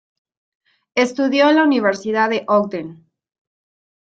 Estudió en la universidad en Ogden.